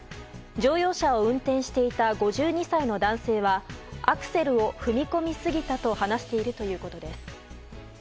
乗用車を運転していた５２歳の男性はアクセルを踏み込みすぎたと話しているということです。